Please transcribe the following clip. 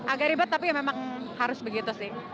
agak ribet tapi ya memang harus begitu sih